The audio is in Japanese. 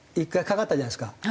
１回かかったじゃないですか。